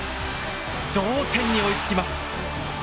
同点に追いつきます。